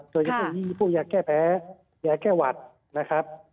โดยเฉพาะยี่พวกยาแก้แพ้ยาแก้หวัดนะครับ